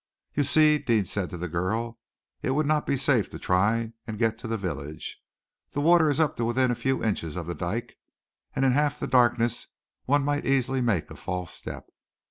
"You see," Deane said to the girl, "it would not be safe to try and get to the village. The water is up to within a few inches of the dyke, and in the half darkness one might easily make a false step.